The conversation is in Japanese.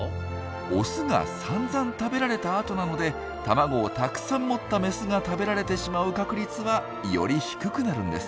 オスがさんざん食べられたあとなので卵をたくさん持ったメスが食べられてしまう確率はより低くなるんです。